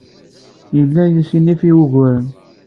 Yella yessinif i wuguren.